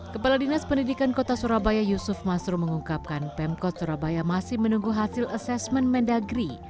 kepala dinas pendidikan kota surabaya yusuf masrur mengungkapkan pemkot surabaya masih menunggu hasil asesmen mendagri